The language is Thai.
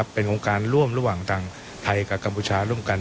เป็นโครงการร่วมระหว่างทางไทยกับกัมพูชาร่วมกัน